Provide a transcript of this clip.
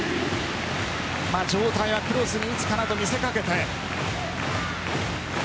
上体はクロスに打つかなと見せかけて。